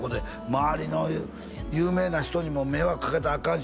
「周りの有名な人にも迷惑かけたらアカンし」